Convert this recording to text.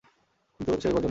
কিন্তু, সে হইবার জো নাই।